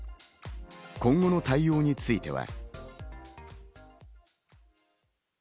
今後の対応については。